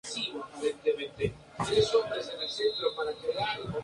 La pelusa que se crea en la superficie del tejido rechaza el agua.